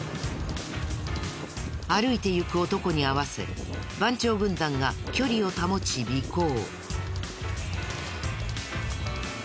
歩いていく男に合わせ番長軍団が距離を保ち尾行。